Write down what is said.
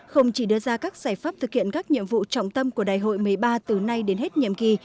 không chỉ đưa ra các giải pháp thực hiện các nhiệm vụ trọng tâm của đại hội một mươi ba từ nay đến hết nhiệm kỳ